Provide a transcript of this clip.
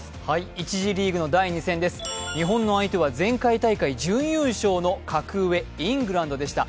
１次リーグ第２戦です日本の相手は前回大会準優勝の格上・イングランドでした。